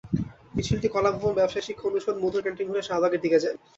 মিছিলটি কলাভবন, ব্যবসায় শিক্ষা অনুষদ, মধুর ক্যানটিন ঘুরে শাহবাগের দিকে যায়।